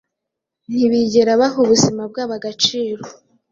ntibigera baha ubuzima bwabo agaciro